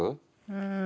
うん？